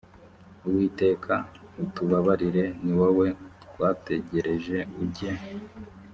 uwiteka utubabarire ni wowe twategereje ujye